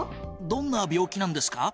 どんな病気なんですか？